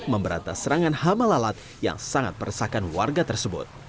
memberantah serangan hama lalat yang sangat persahkan warga tersebut